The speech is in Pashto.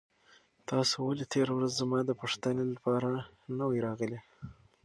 تاسو ولې تېره ورځ زما د پوښتنې لپاره نه وئ راغلي؟